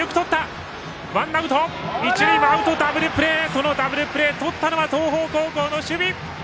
そのダブルプレーとったのは東邦高校の守備！